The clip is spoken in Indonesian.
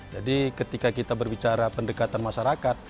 jadi ketika kita berbicara pendekatan masyarakat